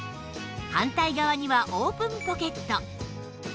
反対側にはオープンポケット